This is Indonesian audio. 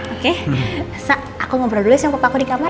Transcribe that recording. oke sa aku ngobrol dulu ya sama papa aku di kamar